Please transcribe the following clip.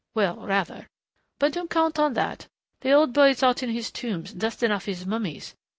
Well, rather. But don't count on that. The old boy is out in his tombs, dusting off his mummies.